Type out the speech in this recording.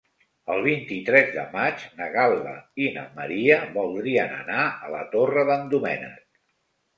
El vint-i-tres de maig na Gal·la i na Maria voldrien anar a la Torre d'en Doménec.